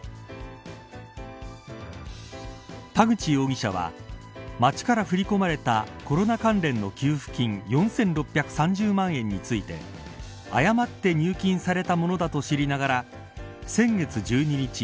田口容疑者は町から振り込まれたコロナ関連の給付金４６３０万円について誤って入金されたものだと知りながら先月１２日